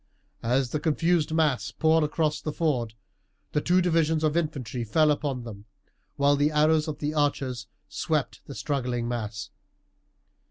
As the confused mass poured across the ford the two divisions of infantry fell upon them, while the arrows of the archers swept the struggling mass.